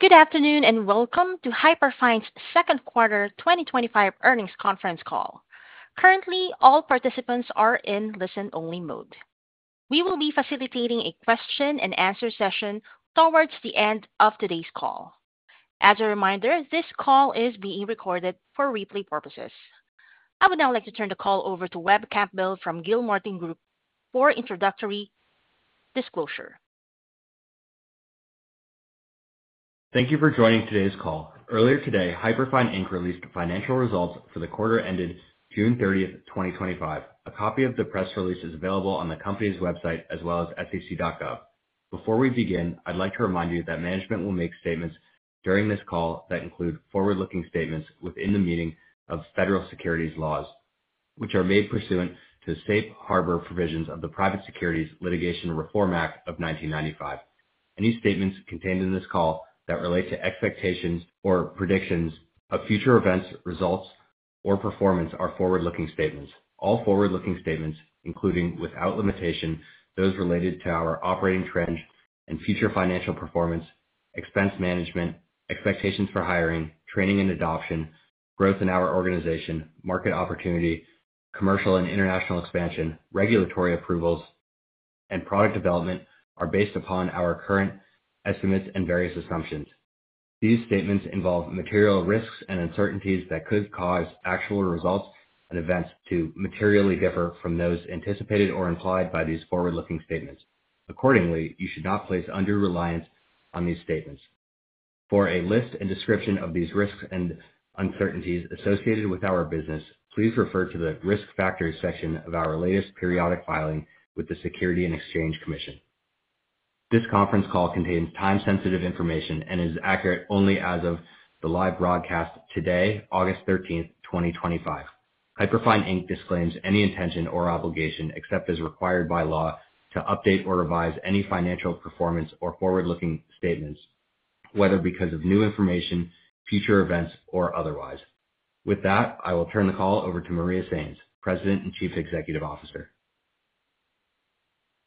Good afternoon and welcome to Hyperfine's Second Quarter 2025 Earnings Conference Call. Currently, all participants are in listen-only mode. We will be facilitating a question and answer session towards the end of today's call. As a reminder, this call is being recorded for replay purposes. I would now like to turn the call over to Webb Campbell from Gilmartin Group for introductory disclosure. Thank you for joining today's call. Earlier today, Hyperfine, Inc. released the financial results for the quarter ended June 30, 2025. A copy of the press release is available on the company's website as well as ethics.gov. Before we begin, I'd like to remind you that management will make statements during this call that include forward-looking statements within the meaning of federal securities laws, which are made pursuant to safe harbor provisions of the Private Securities Litigation Reform Act of 1995. Any statements contained in this call that relate to expectations or predictions of future events, results, or performance are forward-looking statements. All forward-looking statements, including, without limitation, those related to our operating trends and future financial performance, expense management, expectations for hiring, training and adoption, growth in our organization, market opportunity, commercial and international expansion, regulatory approvals, and product development are based upon our current estimates and various assumptions. These statements involve material risks and uncertainties that could cause actual results and events to materially differ from those anticipated or implied by these forward-looking statements. Accordingly, you should not place undue reliance on these statements. For a list and description of these risks and uncertainties associated with our business, please refer to the risk factors section of our latest periodic filing with the Securities and Exchange Commission. This conference call contains time-sensitive information and is accurate only as of the live broadcast today, August 13th, 2025. Hyperfine, Inc. disclaims any intention or obligation, except as required by law, to update or revise any financial performance or forward-looking statements, whether because of new information, future events, or otherwise. With that, I will turn the call over to Maria Sainz, President and Chief Executive Officer.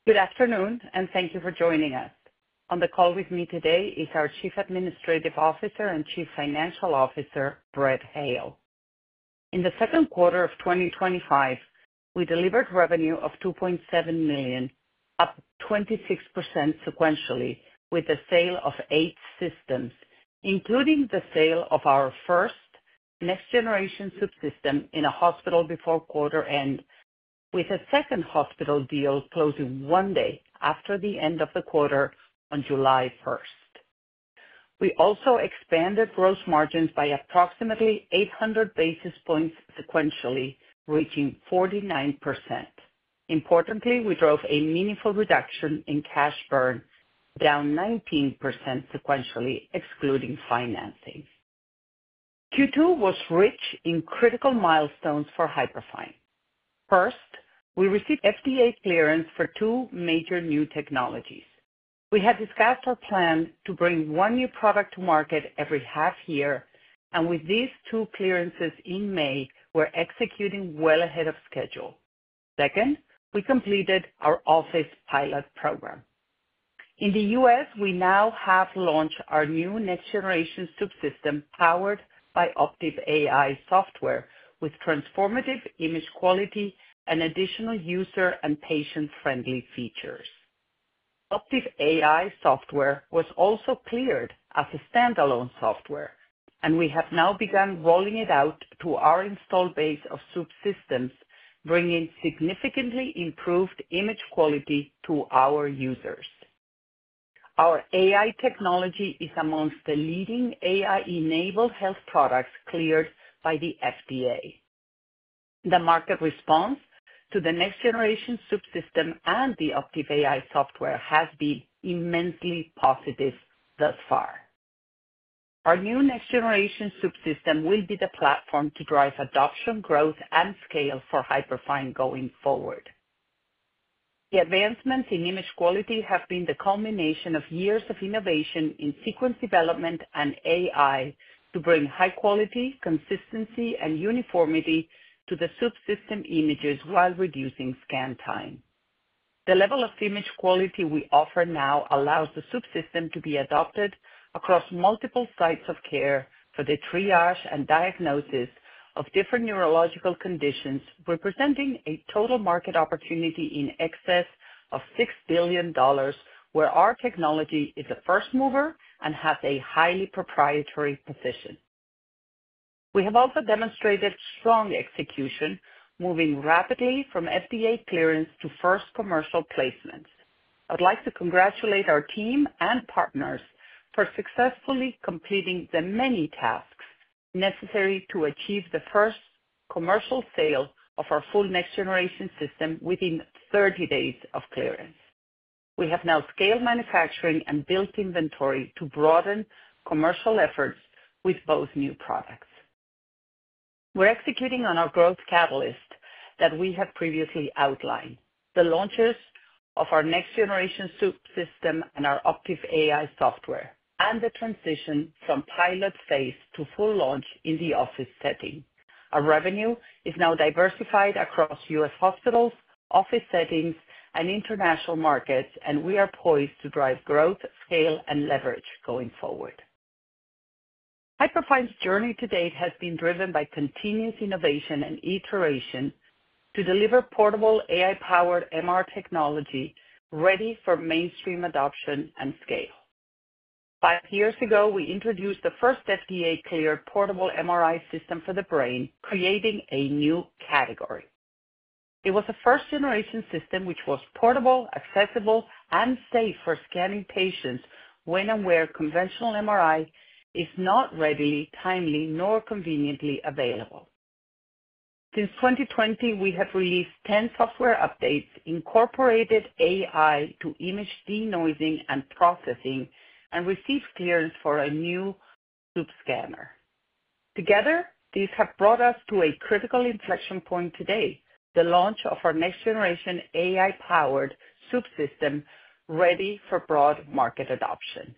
Good afternoon and thank you for joining us. On the call with me today is our Chief Administrative Officer and Chief Financial Officer, Brett Hale. In the second quarter of 2025, we delivered revenue of $2.7 million, up 26% sequentially, with a sale of eight systems, including the sale of our first next-generation subsystem in a hospital before quarter end, with a second hospital deal closing one day after the end of the quarter on July 1st. We also expanded gross margins by approximately 800 basis points sequentially, reaching 49%. Importantly, we drove a meaningful reduction in cash burn, down 19% sequentially, excluding financing. Q2 was rich in critical milestones for Hyperfine. First, we received FDA clearance for two major new technologies. We have discussed our plan to bring one new product to market every half year, and with these two clearances in May, we're executing well ahead of schedule. Second, we completed our office pilot program. In the U.S., we now have launched our new next-generation subsystem powered by Optiv AI software, with transformative image quality and additional user and patient-friendly features. Optiv AI software was also cleared as a standalone software, and we have now begun rolling it out to our install base of subsystems, bringing significantly improved image quality to our users. Our AI technology is amongst the leading AI-enabled health products cleared by the FDA. The market response to the next-generation subsystem and the Optiv AI software has been immensely positive thus far. Our new next-generation subsystem will be the platform to drive adoption, growth, and scale for Hyperfine going forward. The advancements in image quality have been the culmination of years of innovation in sequence development and AI to bring high quality, consistency, and uniformity to the subsystem images while reducing scan time. The level of image quality we offer now allows the subsystem to be adopted across multiple sites of care for the triage and diagnosis of different neurological conditions, representing a total market opportunity in excess of $6 billion, where our technology is a first mover and has a highly proprietary position. We have also demonstrated strong execution, moving rapidly from FDA clearance to first commercial placements. I would like to congratulate our team and partners for successfully completing the many tasks necessary to achieve the first commercial sale of our full next-generation system within 30 days of clearance. We have now scaled manufacturing and built inventory to broaden commercial efforts with both new products. We're executing on our growth catalyst that we have previously outlined, the launches of our next-generation subsystem and our Optiv AI software, and the transition from pilot phase to full launch in the office setting. Our revenue is now diversified across U.S. hospitals, office settings, and international markets, and we are poised to drive growth, scale, and leverage going forward. Hyperfine's journey to date has been driven by continuous innovation and iteration to deliver portable AI-powered MR technology ready for mainstream adoption and scale. Five years ago, we introduced the first FDA-cleared portable MRI system for the brain, creating a new category. It was a first-generation system which was portable, accessible, and safe for scanning patients when and where conventional MRI is not readily, timely, nor conveniently available. Since 2020, we have released 10 software updates incorporating AI to image denoising and processing and received clearance for a new loop scanner. Together, these have brought us to a critical inflection point today, the launch of our next-generation AI-powered subsystem ready for broad market adoption.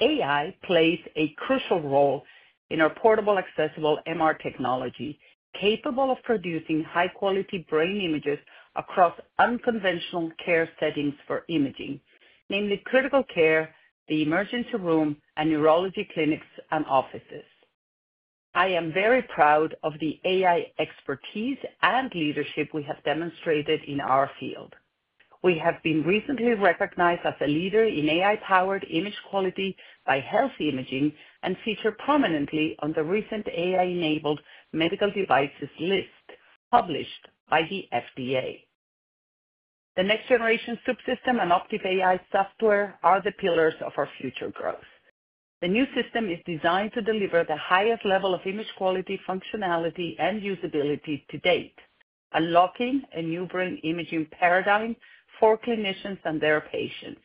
AI plays a crucial role in our portable, accessible MR technology, capable of producing high-quality brain images across unconventional care settings for imaging, namely critical care, the emergency room, and neurology clinics and offices. I am very proud of the AI expertise and leadership we have demonstrated in our field. We have been recently recognized as a leader in AI-powered image quality by Health Imaging and feature prominently on the recent AI-enabled medical devices list published by the FDA. The next-generation subsystem and Optiv AI software are the pillars of our future growth. The new system is designed to deliver the highest level of image quality, functionality, and usability to date, unlocking a new brain imaging paradigm for clinicians and their patients.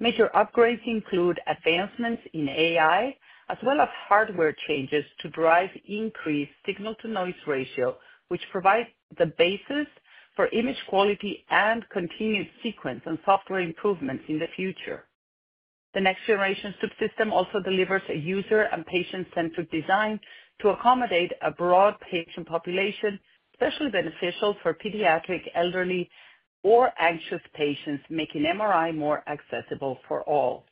Major upgrades include advancements in AI, as well as hardware changes to drive increased signal-to-noise ratio, which provides the basis for image quality and continued sequence and software improvements in the future. The next-generation subsystem also delivers a user and patient-centric design to accommodate a broad patient population, especially beneficial for pediatric, elderly, or anxious patients, making MRI more accessible for all.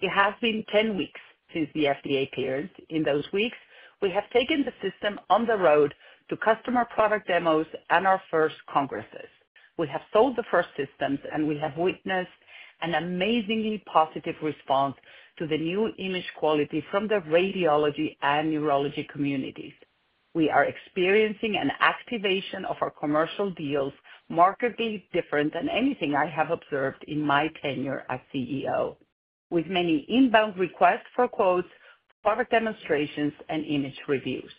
It has been 10 weeks since the FDA clearance. In those weeks, we have taken the system on the road to customer product demos and our first congresses. We have sold the first systems, and we have witnessed an amazingly positive response to the new image quality from the radiology and neurology communities. We are experiencing an activation of our commercial deals, markedly different than anything I have observed in my tenure as CEO, with many inbound requests for quotes, product demonstrations, and image reviews.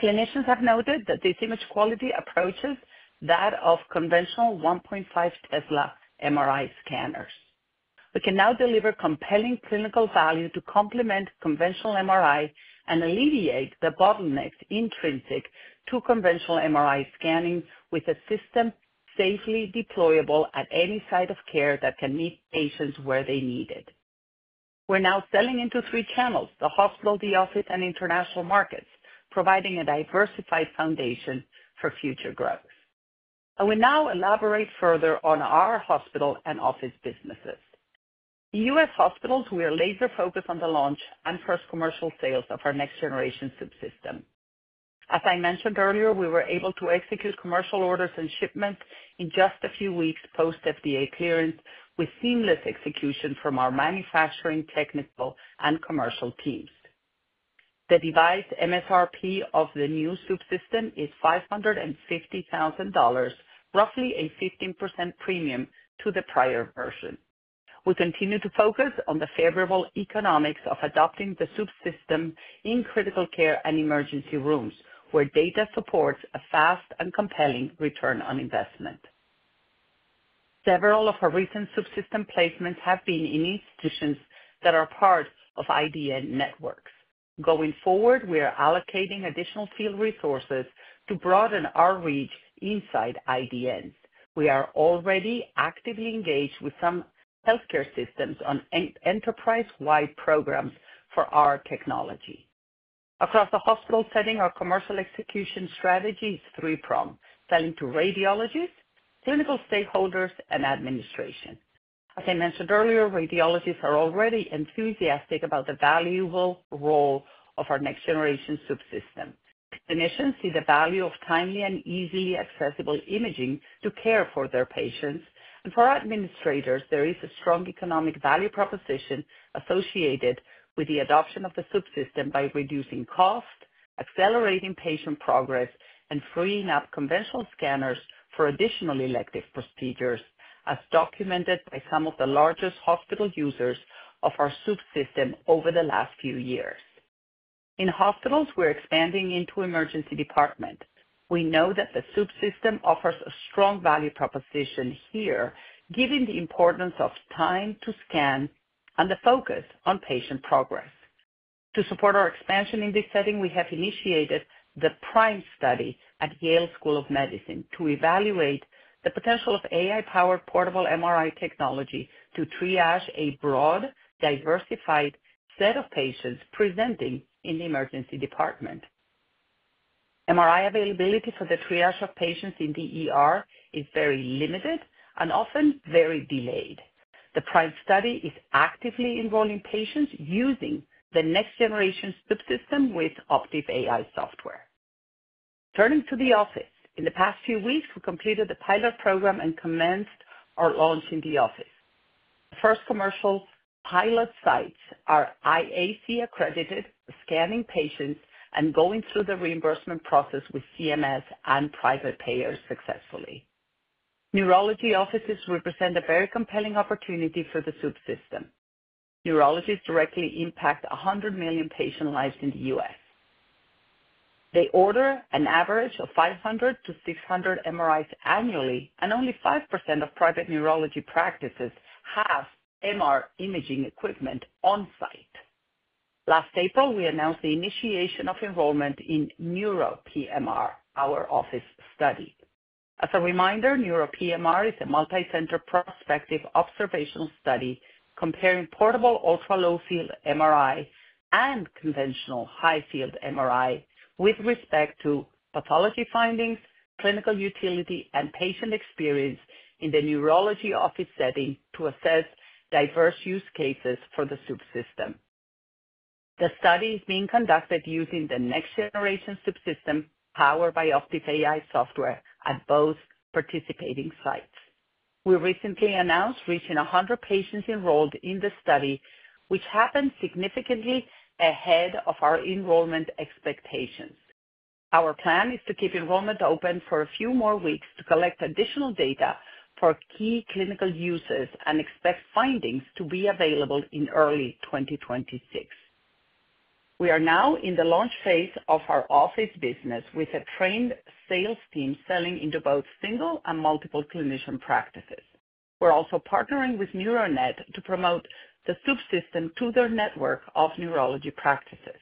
Clinicians have noted that this image quality approaches that of conventional 1.5 Tesla MRI scanners. We can now deliver compelling clinical value to complement conventional MRI and alleviate the bottlenecks intrinsic to conventional MRI scanning with a system safely deployable at any site of care that can meet patients where they need it. We're now selling into three channels: the hospital, the office, and international markets, providing a diversified foundation for future growth. I will now elaborate further on our hospital and office businesses. The US hospitals, we are laser-focused on the launch and first commercial sales of our next-generation subsystem. As I mentioned earlier, we were able to execute commercial orders and shipments in just a few weeks post-FDA clearance, with seamless execution from our manufacturing, technical, and commercial teams. The devised MSRP of the new subsystem is $550,000, roughly a 15% premium to the prior version. We continue to focus on the favorable economics of adopting the subsystem in critical care and emergency rooms, where data supports a fast and compelling return on investment. Several of our recent subsystem placements have been in instances that are part of IDN networks. Going forward, we are allocating additional field resources to broaden our reach inside IDNs. We are already actively engaged with some healthcare systems on enterprise-wide programs for our technology. Across the hospital setting, our commercial execution strategy is three-pronged, selling to radiologists, clinical stakeholders, and administration. As I mentioned earlier, radiologists are already enthusiastic about the valuable role of our next-generation subsystem. Clinicians see the value of timely and easily accessible imaging to care for their patients, and for administrators, there is a strong economic value proposition associated with the adoption of the subsystem by reducing cost, accelerating patient progress, and freeing up conventional scanners for additional elective procedures, as documented by some of the largest hospital users of our subsystem over the last few years. In hospitals, we're expanding into the emergency department. We know that the subsystem offers a strong value proposition here, given the importance of time to scan and the focus on patient progress. To support our expansion in this setting, we have initiated the PRIME study at Yale School of Medicine to evaluate the potential of AI-powered portable MR imaging technology to triage a broad, diversified set of patients presenting in the emergency department. MRI availability for the triage of patients is very limited and often very delayed. The PRIME study is actively involving patients using the next-generation subsystem with Optiv AI software. Turning to the office, in the past few weeks, we completed the pilot program and commenced our launch in the office. The first commercial pilot sites are IAC-accredited, scanning patients and going through the reimbursement process with CMS and private payers successfully. Neurology offices represent a very compelling opportunity for the subsystem. Neurologists directly impact 100 million patient lives in the U.S. They order an average of 500 to 600 MRIs annually, and only 5% of private neurology practices have MR imaging equipment on site. Last April, we announced the initiation of enrollment in NEURO PMR, our office study. As a reminder, NEURO PMR is a multi-center prospective observational study comparing portable ultra-low field MRI and conventional high field MRI with respect to pathology findings, clinical utility, and patient experience in the neurology office setting to assess diverse use cases for the subsystem. The study is being conducted using the next-generation subsystem powered by Optiv AI software at both participating sites. We recently announced reaching 100 patients enrolled in the study, which happened significantly ahead of our enrollment expectations. Our plan is to keep enrollment open for a few more weeks to collect additional data for key clinical uses and expect findings to be available in early 2026. We are now in the launch phase of our office business with a trained sales team selling into both single and multiple clinician practices. We're also partnering with NeuroNet to promote the subsystem to their network of neurology practices.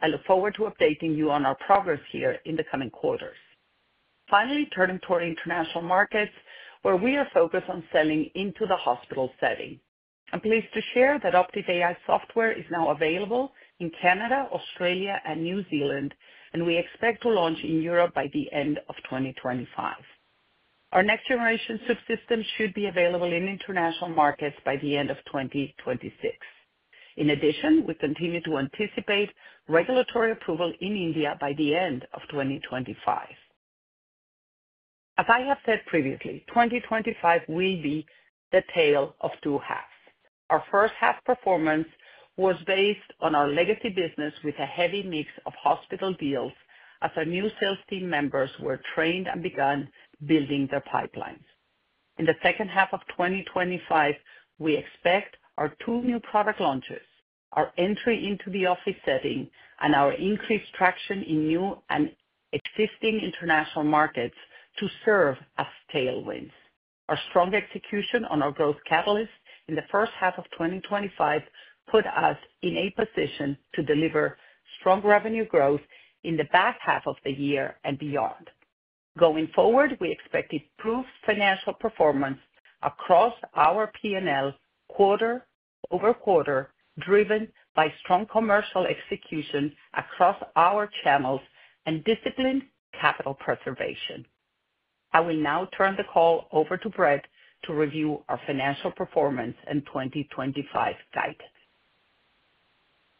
I look forward to updating you on our progress here in the coming quarters. Finally, turning toward international markets, where we are focused on selling into the hospital setting. I'm pleased to share that Optiv AI software is now available in Canada, Australia, and New Zealand, and we expect to launch in Europe by the end of 2025. Our next-generation subsystem should be available in international markets by the end of 2026. In addition, we continue to anticipate regulatory approval in India by the end of 2025. As I have said previously, 2025 will be the tale of two halves. Our first half's performance was based on our legacy business with a heavy mix of hospital deals as our new sales team members were trained and began building their pipelines. In the second half of 2025, we expect our two new product launches, our entry into the office setting, and our increased traction in new and existing international markets to serve as tailwinds. Our strong execution on our growth catalyst in the first half of 2025 put us in a position to deliver strong revenue growth in the back half of the year and beyond. Going forward, we expect improved financial performance across our P&L quarter-over-quarter, driven by strong commercial execution across our channels and disciplined capital preservation. I will now turn the call over to Brett to review our financial performance and 2025 guidance.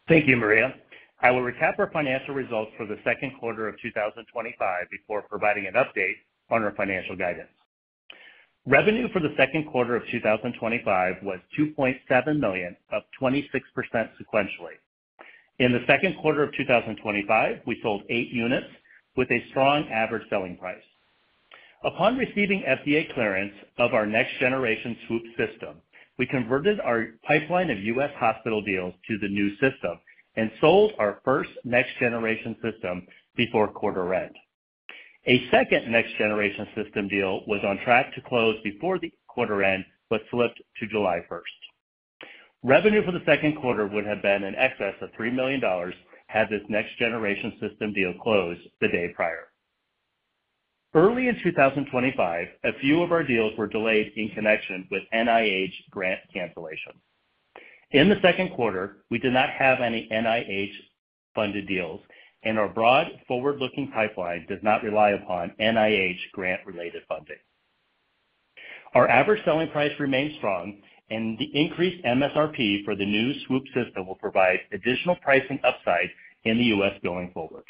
Thank you, Maria. I will recap our financial results for the second quarter of 2025 before providing an update on our financial guidance. Revenue for the second quarter of 2025 was $2.7 million, up 26% sequentially. In the second quarter of 2025, we sold eight units with a strong average selling price. Upon receiving FDA clearance of our next-generation subsystem, we converted our pipeline of US hospital deals to the new system and sold our first next-generation system before quarter end. A second next-generation system deal was on track to close before the quarter end but slipped to July 1st. Revenue for the second quarter would have been in excess of $3 million had this next-generation system deal closed the day prior. Early in 2025, a few of our deals were delayed in connection with NIH grant cancellation. In the second quarter, we did not have any NIH-funded deals, and our broad forward-looking pipeline does not rely upon NIH grant-related funding. Our average selling price remains strong, and the increased MSRP for the new subsystem will provide additional pricing upside in the U.S. going forward.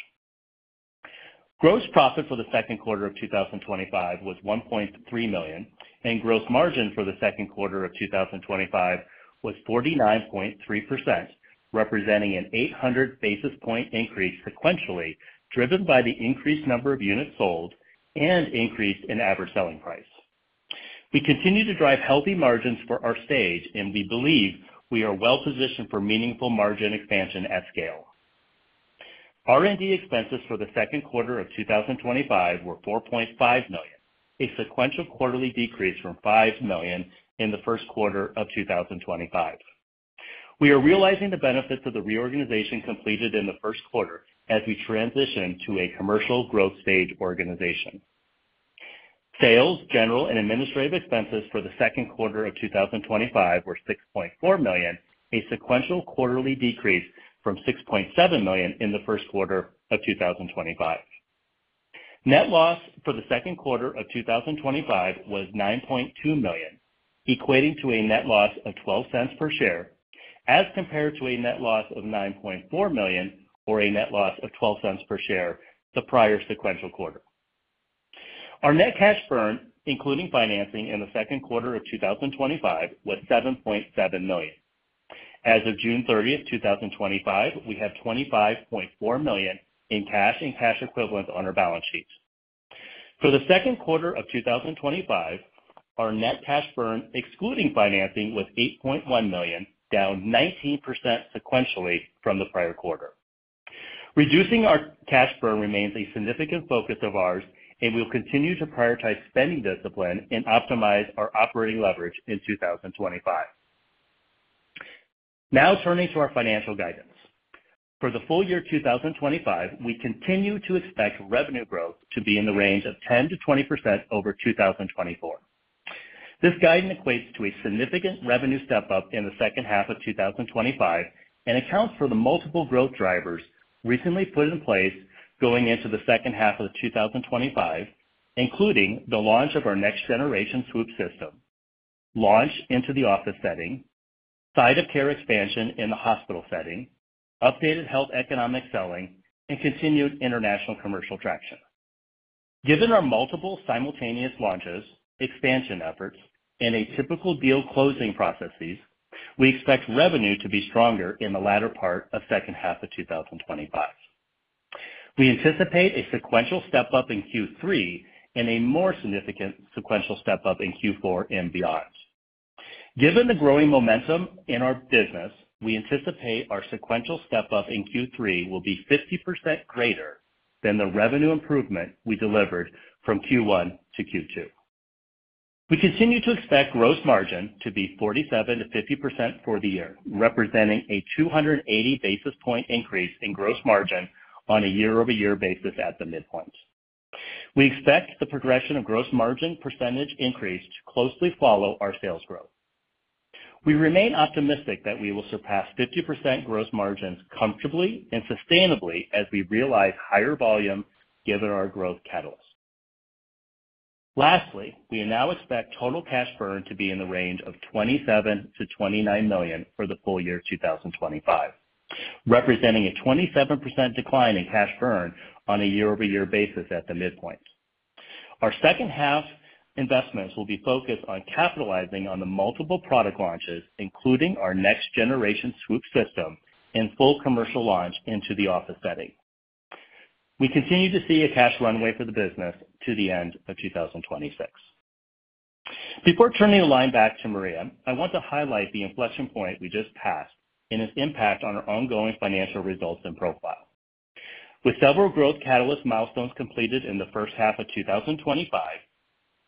Gross profit for the second quarter of 2025 was $1.3 million, and gross margin for the second quarter of 2025 was 49.3%, representing an 800 basis point increase sequentially, driven by the increased number of units sold and increase in average selling price. We continue to drive healthy margins for our stage, and we believe we are well positioned for meaningful margin expansion at scale. R&D expenses for the second quarter of 2025 were $4.5 million, a sequential quarterly decrease from $5 million in the First Quarter of 2025. We are realizing the benefits of the reorganization completed in the First Quarter as we transition to a commercial growth stage organization. Sales, general and administrative expenses for the second quarter of 2025 were $6.4 million, a sequential quarterly decrease from $6.7 million in the First Quarter of 2025. Net loss for the second quarter of 2025 was $9.2 million, equating to a net loss of $0.12 per share as compared to a net loss of $9.4 million or a net loss of $0.12 per share the prior sequential quarter. Our net cash burn, including financing in the second quarter of 2025, was $7.7 million. As of June 30, 2025, we had $25.4 million in cash and cash equivalents on our balance sheet. For the second quarter of 2025, our net cash burn, excluding financing, was $8.1 million, down 19% sequentially from the prior quarter. Reducing our cash burn remains a significant focus of ours, and we'll continue to prioritize spending discipline and optimize our operating leverage in 2025. Now turning to our financial guidance. For the full year 2025, we continue to expect revenue growth to be in the range of 10%-20% over 2024. This guidance equates to a significant revenue step up in the second half of 2025 and accounts for the multiple growth drivers recently put in place going into the second half of 2025, including the launch of our next-generation subsystem, launch into the office setting, site of care expansion in the hospital setting, updated health economic selling, and continued international commercial traction. Given our multiple simultaneous launches, expansion efforts, and atypical deal closing processes, we expect revenue to be stronger in the latter part of the second half of 2025. We anticipate a sequential step up in Q3 and a more significant sequential step up in Q4 and beyond. Given the growing momentum in our business, we anticipate our sequential step up in Q3 will be 50% greater than the revenue improvement we delivered from Q1 to Q2. We continue to expect gross margin to be 47%-50% for the year, representing a 280 basis point increase in gross margin on a year-over-year basis at the midpoint. We expect the progression of gross margin percentage increase to closely follow our sales growth. We remain optimistic that we will surpass 50% gross margins comfortably and sustainably as we realize higher volume given our growth catalyst. Lastly, we now expect total cash burn to be in the range of $27 million-$29 million for the full year 2025, representing a 27% decline in cash burn on a year-over-year basis at the midpoint. Our second half's investments will be focused on capitalizing on the multiple product launches, including our next-generation subsystem, and full commercial launch into the office setting. We continue to see a cash runway for the business to the end of 2026. Before turning the line back to Maria, I want to highlight the inflection point we just passed and its impact on our ongoing financial results and profile. With several growth catalyst milestones completed in the first half of 2025,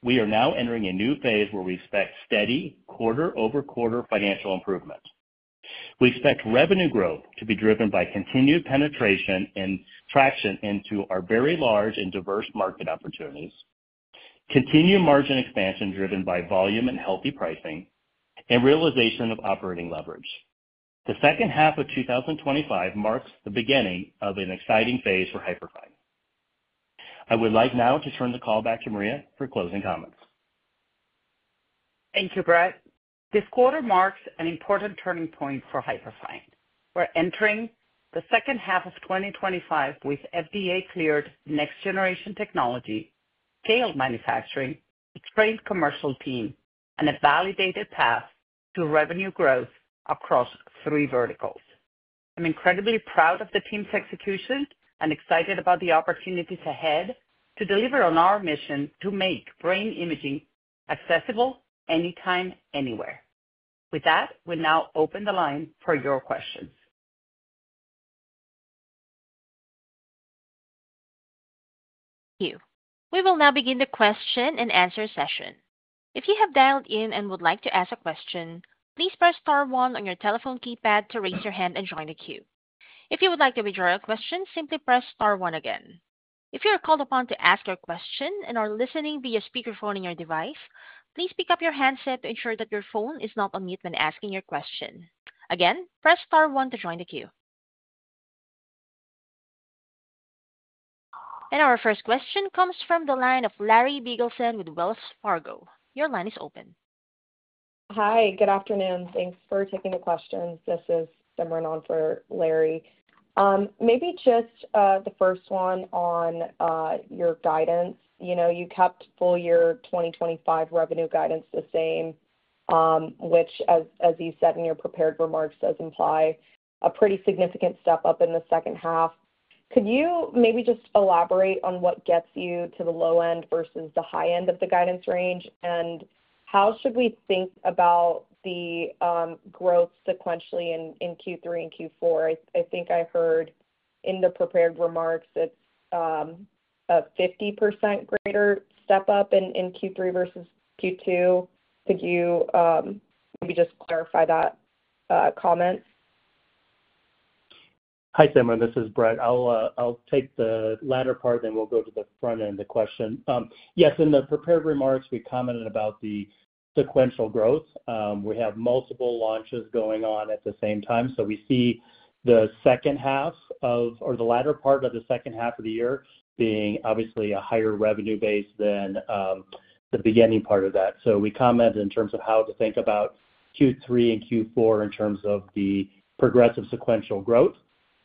we are now entering a new phase where we expect steady quarter-over-quarter financial improvement. We expect revenue growth to be driven by continued penetration and traction into our very large and diverse market opportunities, continued margin expansion driven by volume and healthy pricing, and realization of operating leverage. The second half of 2025 marks the beginning of an exciting phase for Hyperfine. I would like now to turn the call back to Maria for closing comments. Thank you, Brett. This quarter marks an important turning point for Hyperfine. We're entering the second half of 2025 with FDA-cleared next-generation technology, scaled manufacturing, a trained commercial team, and a validated path to revenue growth across three verticals. I'm incredibly proud of the team's execution and excited about the opportunities ahead to deliver on our mission to make brain imaging accessible anytime, anywhere. With that, we'll now open the line for your questions. Thank you. We will now begin the question and answer session. If you have dialed in and would like to ask a question, please press star one on your telephone keypad to raise your hand and join the queue. If you would like to withdraw your question, simply press star one again. If you are called upon to ask your question and are listening via speakerphone on your device, please pick up your handset to ensure that your phone is not on mute when asking your question. Again, press star one to join the queue. Our first question comes from the line of Larry Biegelsen with Wells Fargo. Your line is open. Hi, good afternoon. Thanks for taking the question. This is Simran on for Larry. Maybe just, the first one on your guidance. You know, you kept full year 2025 revenue guidance the same, which, as you said in your prepared remarks, does imply a pretty significant step up in the second half. Could you maybe just elaborate on what gets you to the low end versus the high end of the guidance range? How should we think about the growth sequentially in Q3 and Q4? I think I heard in the prepared remarks it's a 50% greater step up in Q3 versus Q2. Could you maybe just clarify that comment? Hi, Simran. This is Brett. I'll take the latter part, and then we'll go to the front end of the question. Yes, in the prepared remarks, we commented about the sequential growth. We have multiple launches going on at the same time. We see the latter part of the second half of the year being obviously a higher revenue base than the beginning part of that. We commented in terms of how to think about Q3 and Q4 in terms of the progressive sequential growth.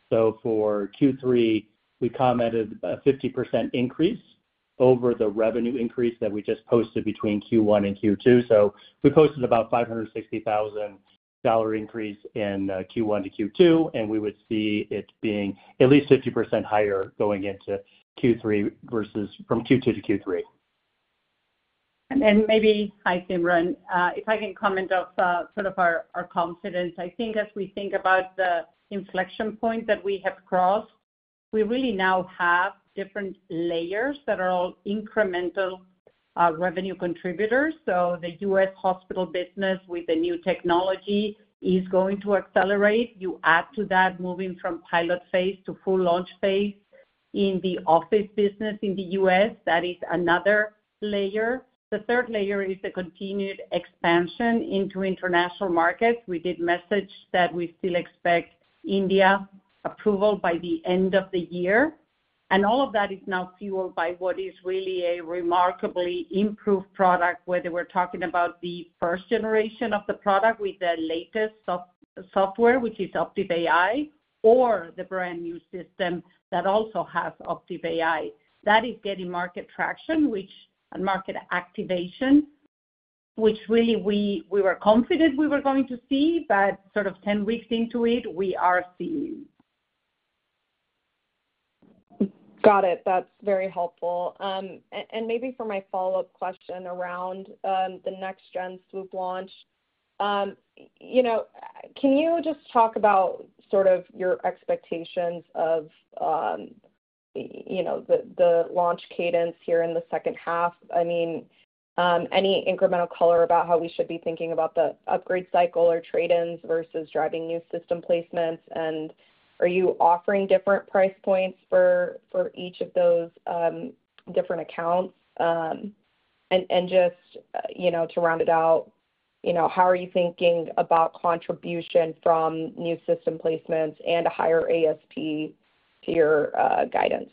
For Q3, we commented a 50% increase over the revenue increase that we just posted between Q1 and Q2. We posted about $560,000 increase in Q1 to Q2, and we would see it being at least 50% higher going into Q3 versus from Q2 to Q3. Maybe I can comment off sort of our confidence. I think as we think about the inflection point that we have crossed, we really now have different layers that are all incremental revenue contributors. The US hospital business with the new technology is going to accelerate. You add to that moving from pilot phase to full launch phase in the office business in the U.S. That is another layer. The third layer is the continued expansion into international markets. We did message that we still expect India approval by the end of the year. All of that is now fueled by what is really a remarkably improved product, whether we're talking about the first generation of the product with the latest software, which is Optiv AI, or the brand new system that also has Optiv AI that is getting market traction and market activation, which really we were confident we were going to see, but sort of 10 weeks into it, we are seeing. Got it. That's very helpful. For my follow-up question around the next-generation subsystem launch, can you just talk about your expectations of the launch cadence here in the second half? Any incremental color about how we should be thinking about the upgrade cycle or trade-ins versus driving new system placements? Are you offering different price points for each of those different accounts? To round it out, how are you thinking about contribution from new system placements and a higher ASP to your guidance?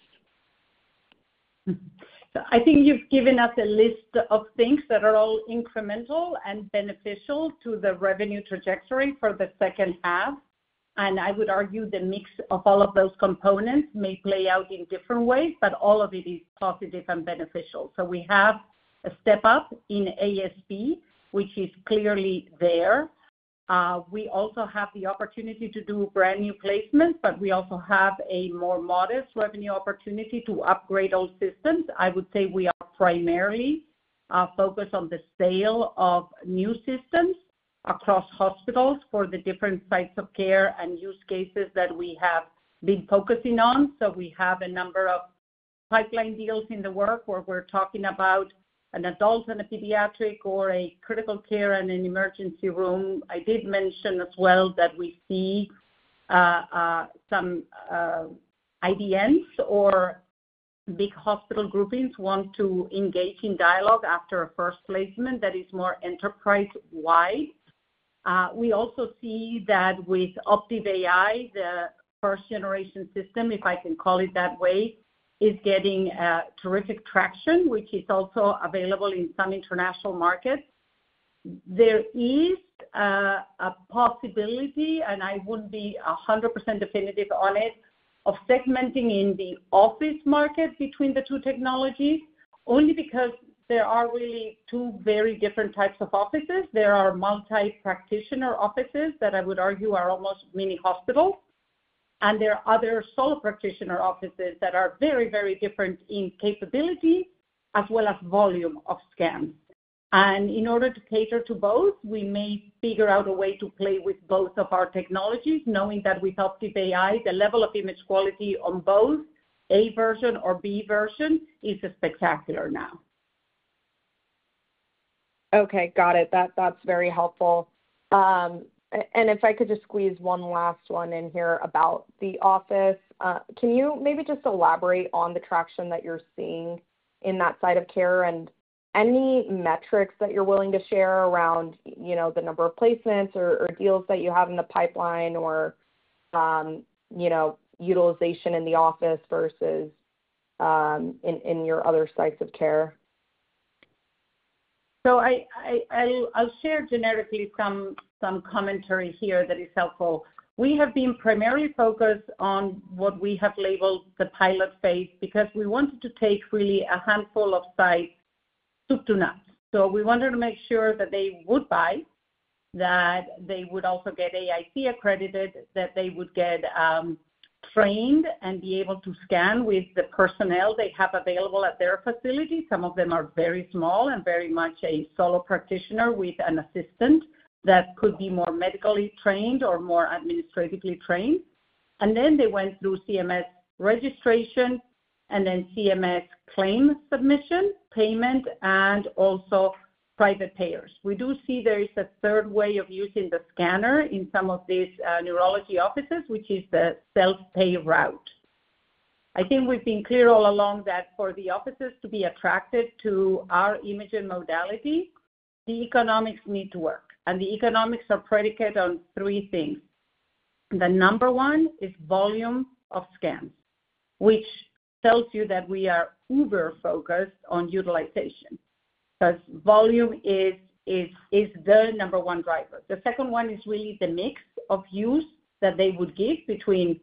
I think you've given us a list of things that are all incremental and beneficial to the revenue trajectory for the second half. I would argue the mix of all of those components may play out in different ways, but all of it is positive and beneficial. We have a step up in ASP, which is clearly there. We also have the opportunity to do brand new placements, but we also have a more modest revenue opportunity to upgrade old systems. I would say we are primarily focused on the sale of new systems across hospitals for the different types of care and use cases that we have been focusing on. We have a number of pipeline deals in the work where we're talking about an adult and a pediatric or a critical care and an emergency room. I did mention as well that we see some IDNs or big hospital groupings want to engage in dialogue after a first placement that is more enterprise-wide. We also see that with Optiv AI, the first-generation system, if I can call it that way, is getting terrific traction, which is also available in some international markets. There is a possibility, and I wouldn't be 100% definitive on it, of segmenting in the office market between the two technologies, only because there are really two very different types of offices. There are multi-practitioner offices that I would argue are almost mini hospitals, and there are other solo practitioner offices that are very, very different in capability as well as volume of scans. In order to cater to both, we may figure out a way to play with both of our technologies, knowing that with Optiv AI, the level of image quality on both A version or B version is spectacular now. Okay, got it. That's very helpful. If I could just squeeze one last one in here about the office, can you maybe just elaborate on the traction that you're seeing in that side of care and any metrics that you're willing to share around, you know, the number of placements or deals that you have in the pipeline or, you know, utilization in the office versus in your other sites of care? I'll share generically some commentary here that is helpful. We have been primarily focused on what we have labeled the pilot phase because we wanted to take really a handful of sites soup to nuts. We wanted to make sure that they would buy, that they would also get AIC accredited, that they would get trained and be able to scan with the personnel they have available at their facility. Some of them are very small and very much a solo practitioner with an assistant that could be more medically trained or more administratively trained. They went through CMS registration and then CMS claim submission, payment, and also private payers. We do see there is a third way of using the scanner in some of these neurology offices, which is the self-pay route. I think we've been clear all along that for the offices to be attracted to our imaging modality, the economics need to work. The economics are predicated on three things. The number one is volume of scans, which tells you that we are uber-focused on utilization because volume is the number one driver. The second one is really the mix of use that they would give between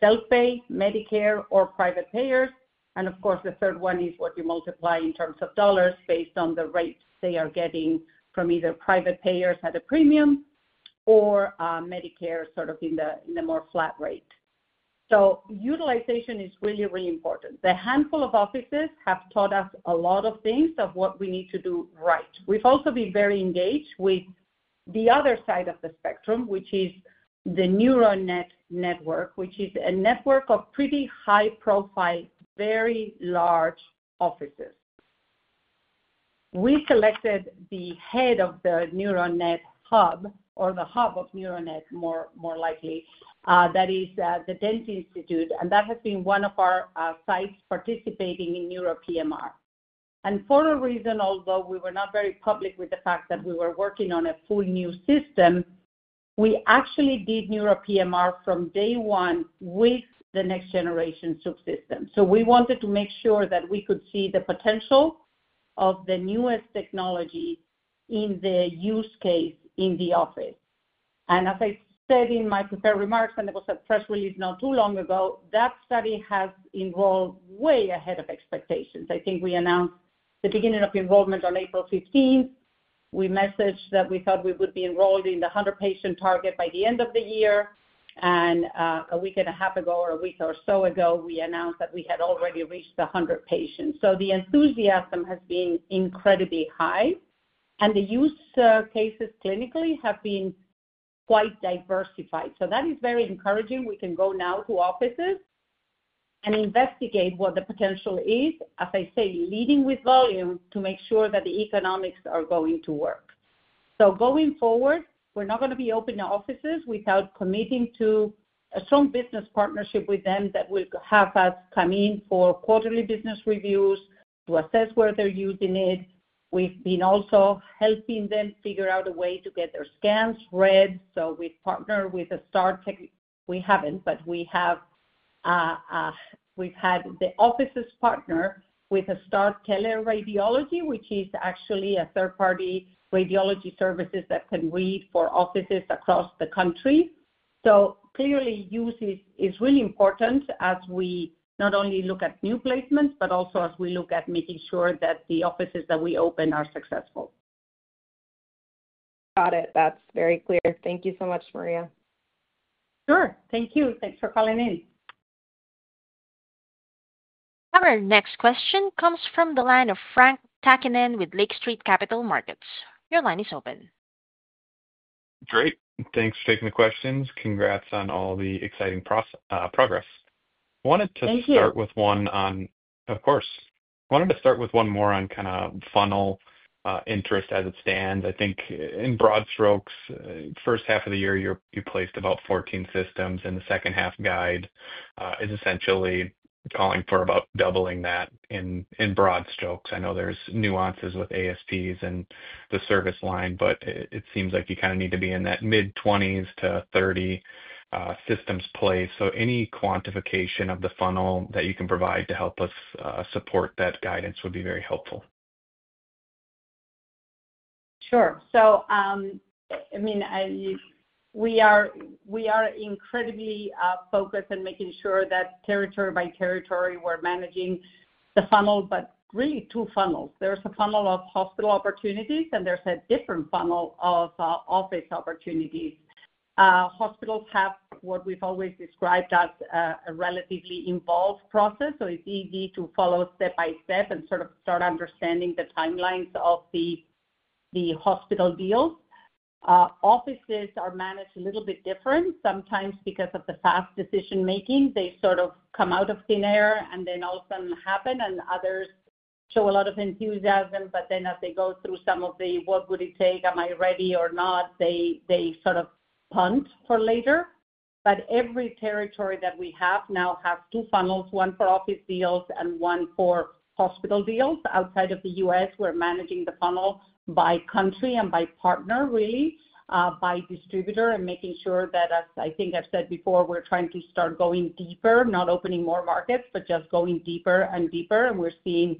self-pay, Medicare, or private payers. The third one is what you multiply in terms of dollars based on the rates they are getting from either private payers at a premium or Medicare sort of in the more flat rate. Utilization is really, really important. The handful of offices have taught us a lot of things of what we need to do right. We've also been very engaged with the other side of the spectrum, which is the NeuroNet network, which is a network of pretty high-profile, very large offices. We selected the head of the NeuroNet hub, or the hub of NeuroNet more likely, that is the Dentist Institute, and that has been one of our sites participating in NEURO PMR. For a reason, although we were not very public with the fact that we were working on a full new system, we actually did NEURO PMR from day one with the next-generation subsystem. We wanted to make sure that we could see the potential of the newest technology in the use case in the office. As I said in my prepared remarks when it was a press release not too long ago, that study has enrolled way ahead of expectations. I think we announced the beginning of the enrollment on April 15th. We messaged that we thought we would be enrolled in the 100-patient target by the end of the year. A week and a half ago, or a week or so ago, we announced that we had already reached the 100 patients. The enthusiasm has been incredibly high, and the use cases clinically have been quite diversified. That is very encouraging. We can go now to offices and investigate what the potential is, as I say, leading with volume to make sure that the economics are going to work. Going forward, we're not going to be open to offices without committing to a strong business partnership with them that will have us come in for quarterly business reviews to assess whether they're using it. We've been also helping them figure out a way to get their scans read. We've had the offices partner with a start, Keller Radiology, which is actually a third-party radiology services that can read for offices across the country. Clearly, use is really important as we not only look at new placements, but also as we look at making sure that the offices that we open are successful. Got it. That's very clear. Thank you so much, Maria. Sure. Thank you. Thanks for calling in. Our next question comes from the line of Frank Takkinen with Lake Street Capital Markets. Your line is open. Great. Thanks for taking the questions. Congrats on all the exciting progress. Thank you. I wanted to start with one more on kind of funnel interest as it stands. I think in broad strokes, first half of the year, you placed about 14 systems, and the second half guide is essentially calling for about doubling that in broad strokes. I know there's nuances with ASPs and the service line, but it seems like you kind of need to be in that mid-20s to 30 systems place. Any quantification of the funnel that you can provide to help us support that guidance would be very helpful. Sure. We are incredibly focused on making sure that territory by territory we're managing the funnel, but really two funnels. There's a funnel of hospital opportunities, and there's a different funnel of office opportunities. Hospitals have what we've always described as a relatively involved process, so it's easy to follow step by step and start understanding the timelines of the hospital deals. Offices are managed a little bit different. Sometimes because of the fast decision-making, they sort of come out of thin air and then all of a sudden happen, and others show a lot of enthusiasm, but then as they go through some of the, "What would it take? Am I ready or not?" they sort of punt for later. Every territory that we have now has two funnels, one for office deals and one for hospital deals. Outside of the U.S., we're managing the funnel by country and by partner, really, by distributor, and making sure that, as I think I've said before, we're trying to start going deeper, not opening more markets, but just going deeper and deeper. We're seeing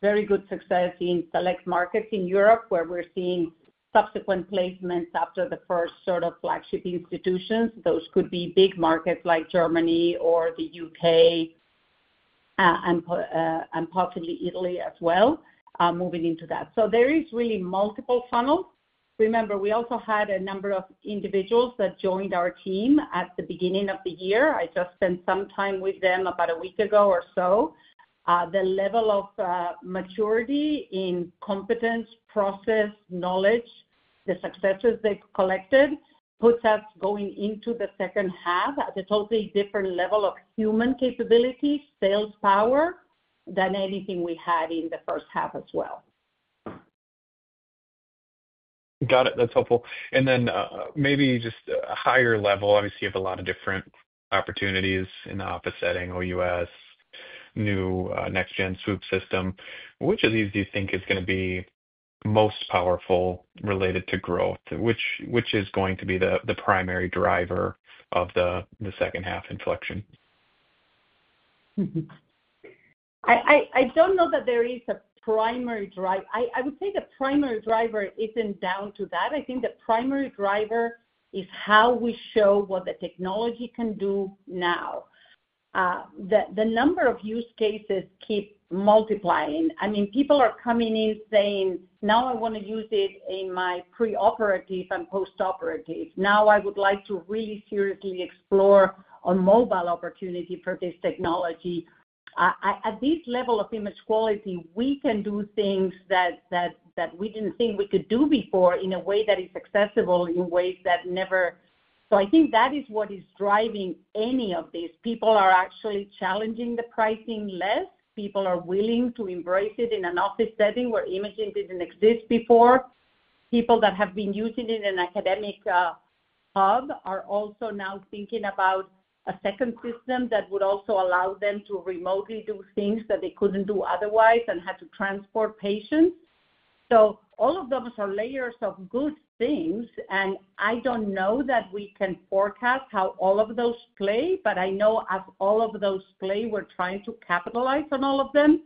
very good success in select markets in Europe where we're seeing subsequent placements after the first flagship institutions. Those could be big markets like Germany or the U.K. and possibly Italy as well, moving into that. There are really multiple funnels. Remember, we also had a number of individuals that joined our team at the beginning of the year. I just spent some time with them about a week ago. The level of maturity in competence, process, knowledge, the successes they've collected puts us going into the second half at a totally different level of human capability, sales power than anything we had in the first half as well. Got it. That's helpful. Maybe just a higher level, obviously, you have a lot of different opportunities in the office setting, O.U.S., new next-generation subsystem. Which of these do you think is going to be most powerful related to growth? Which is going to be the primary driver of the second half inflection? I don't know that there is a primary driver. I would say the primary driver isn't down to that. I think the primary driver is how we show what the technology can do now. The number of use cases keep multiplying. People are coming in saying, "Now I want to use it in my preoperative and postoperative. Now I would like to really seriously explore a mobile opportunity for this technology." At this level of image quality, we can do things that we didn't think we could do before in a way that is accessible in ways that never. I think that is what is driving any of these. People are actually challenging the pricing less. People are willing to embrace it in an office setting where imaging didn't exist before. People that have been using it in an academic hub are also now thinking about a second system that would also allow them to remotely do things that they couldn't do otherwise and had to transport patients. All of those are layers of good things. I don't know that we can forecast how all of those play, but I know as all of those play, we're trying to capitalize on all of them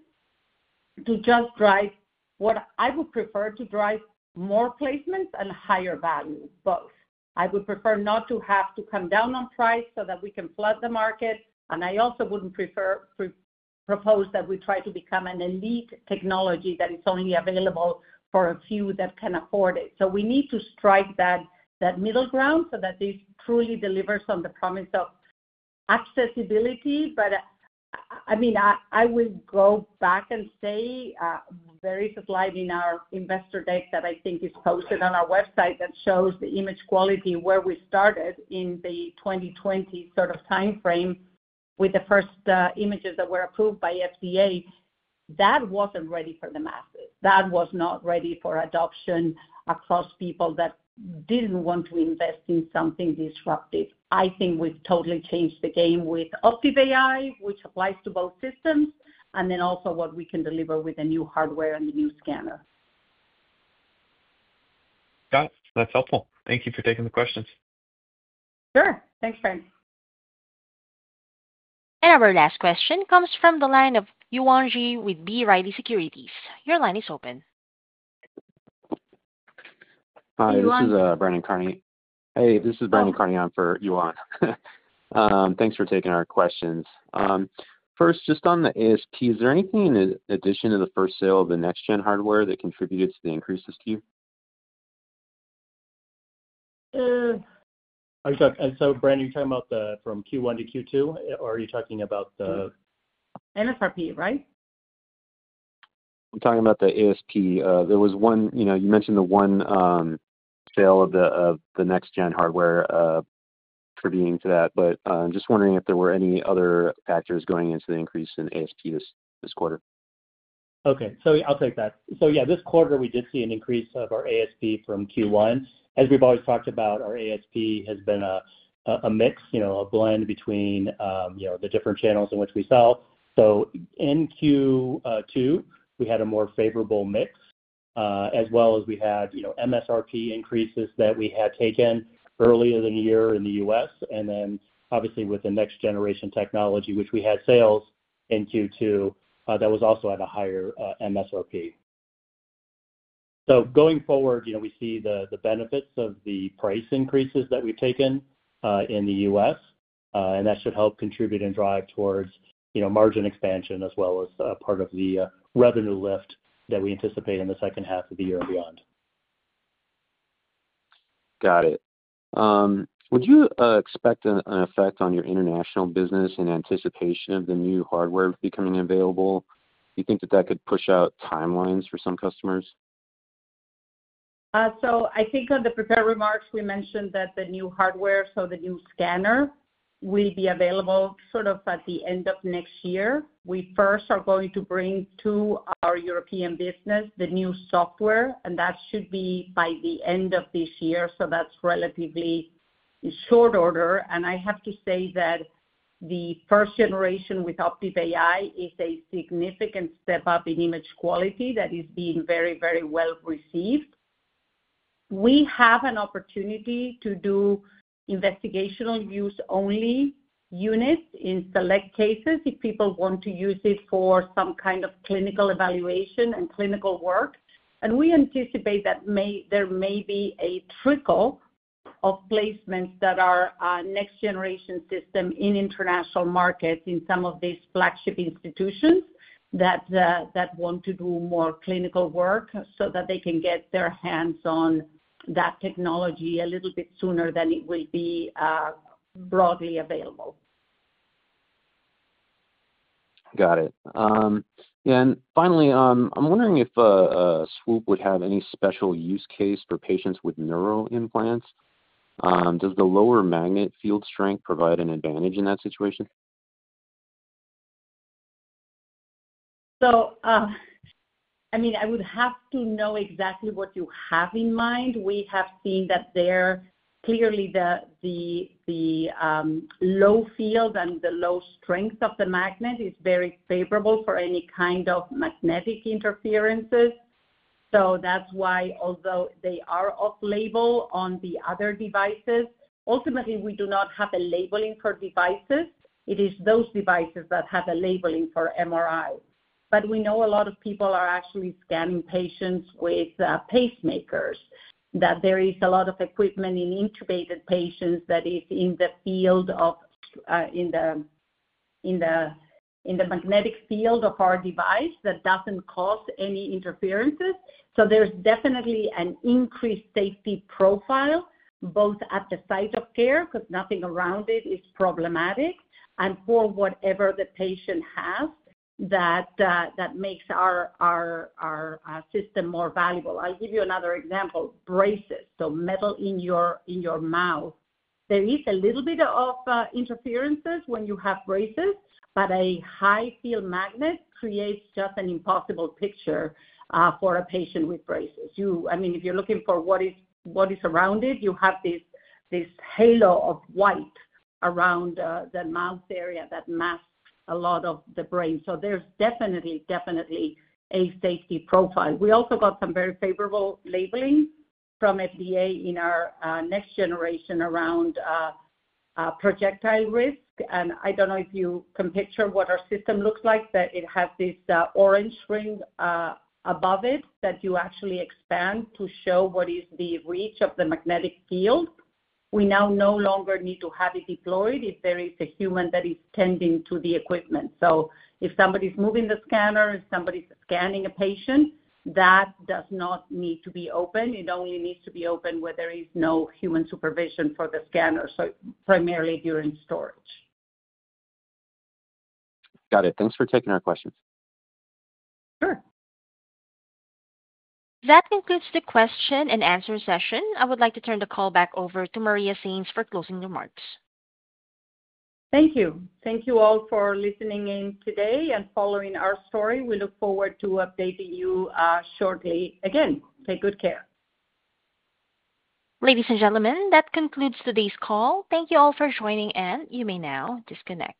to just drive what I would prefer to drive more placements and higher value, both. I would prefer not to have to come down on price so that we can flood the market. I also wouldn't prefer to propose that we try to become an elite technology that is only available for a few that can afford it. We need to strike that middle ground so that this truly delivers on the promise of accessibility. I will go back and say, there is a slide in our investor deck that I think is posted on our website that shows the image quality where we started in the 2020 sort of timeframe with the first images that were approved by FDA. That wasn't ready for the masses. That was not ready for adoption across people that didn't want to invest in something disruptive. I think we've totally changed the game with Optiv AI, which applies to both systems, and then also what we can deliver with the new hardware and the new scanner. Got it. That's helpful. Thank you for taking the questions. Sure. Thanks, Frank. Our very last question comes from the line of Yuan Zhi with B. Riley Securities. Your line is open. Hi. This is Brandon Carney. This is Brandon Carney on for Yuan. Thanks for taking our questions. First, just on the ASP, is there anything in addition to the first sale of the next-gen hardware that contributed to the increases to you? Are you talking? Are you talking about from Q1 to Q2, or are you talking about the? Q2. NFRP, right? I'm talking about the ASP. You mentioned the one sale of the next-generation hardware for being to that, but I'm just wondering if there were any other factors going into the increase in ASP this quarter. Okay. I'll take that. This quarter, we did see an increase of our ASP from Q1. As we've always talked about, our ASP has been a mix, you know, a blend between the different channels in which we sell. In Q2, we had a more favorable mix, as well as we had MSRP increases that we had taken earlier in the year in the U.S. Obviously, with the next-generation technology, which we had sales in Q2, that was also at a higher MSRP. Going forward, we see the benefits of the price increases that we've taken in the U.S., and that should help contribute and drive towards margin expansion as well as a part of the revenue lift that we anticipate in the second half of the year and beyond. Got it. Would you expect an effect on your international business in anticipation of the new hardware becoming available? Do you think that that could push out timelines for some customers? I think on the prepared remarks, we mentioned that the new hardware, so the new scanner, will be available at the end of next year. We first are going to bring to our European business the new software, and that should be by the end of this year. That's relatively in short order. I have to say that the first generation with Optiv AI is a significant step up in image quality that is being very, very well received. We have an opportunity to do investigational use-only units in select cases if people want to use it for some kind of clinical evaluation and clinical work. We anticipate that there may be a trickle of placements that are next-generation systems in international markets in some of these flagship institutions that want to do more clinical work so that they can get their hands on that technology a little bit sooner than it will be broadly available. Got it. Yeah. Finally, I'm wondering if a subsystem would have any special use case for patients with neuro implants. Does the lower magnet field strength provide an advantage in that situation? I would have to know exactly what you have in mind. We have seen that clearly the low field and the low strength of the magnet is very favorable for any kind of magnetic interferences. That's why, although they are off-label on the other devices, ultimately, we do not have a labeling for devices. It is those devices that have a labeling for MRI. We know a lot of people are actually scanning patients with pacemakers, that there is a lot of equipment in intubated patients that is in the magnetic field of our device that doesn't cause any interferences. There is definitely an increased safety profile both at the site of care because nothing around it is problematic and for whatever the patient has that makes our system more valuable. I'll give you another example, braces, so metal in your mouth. There is a little bit of interferences when you have braces, but a high-field magnet creates just an impossible picture for a patient with braces. If you're looking for what is around it, you have this halo of white around the mouth area that masks a lot of the brain. There is definitely, definitely a safety profile. We also got some very favorable labeling from FDA in our next generation around projectile risk. I don't know if you can picture what our system looks like, but it has this orange ring above it that you actually expand to show what is the reach of the magnetic field. We now no longer need to have it deployed if there is a human that is tending to the equipment. If somebody's moving the scanner, if somebody's scanning a patient, that does not need to be open. It only needs to be open where there is no human supervision for the scanner, primarily during storage. Got it. Thanks for taking our questions. Sure. That concludes the question and answer session. I would like to turn the call back over to Maria Sainz for closing remarks. Thank you. Thank you all for listening in today and following our story. We look forward to updating you shortly again. Take good care. Ladies and gentlemen, that concludes today's call. Thank you all for joining, and you may now disconnect.